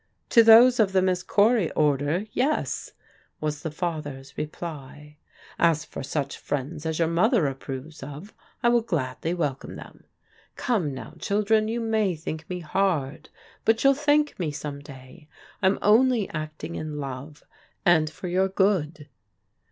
" To those of the Miss Cory order, yes," was the fa ther's reply. "As for such friends as your mother ap proves of, I will gladly welcome them. Come now, children, you may think me hard ; but you'W ^Saaxik TCifc 112 PRODIGAL DAUGHTERS some day. I'm only acting in love, and for your good."